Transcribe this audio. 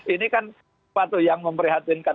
ini kan suatu yang memprihatinkan